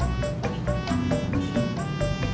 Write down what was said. aku dan coba berdua sekali